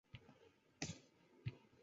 Muallim o‘ychan qiyofada tirsagimdan tutdi.